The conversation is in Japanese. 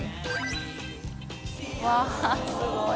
うわすごい！